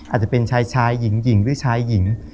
อาจจะเป็นชายชายหญิงหรือชายหญิง